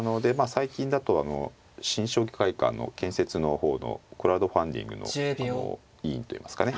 最近だと新将棋会館の建設の方のクラウドファンディングの委員といいますかね